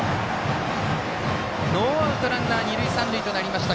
ノーアウトランナー、二塁三塁となりました。